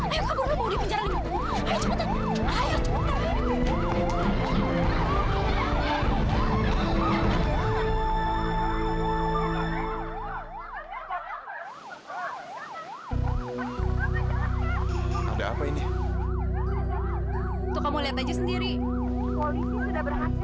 ayo kabur mau dipinjarin